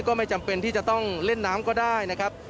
ไม่จำเป็นที่จะต้องเล่นน้ำก็ได้นะครับ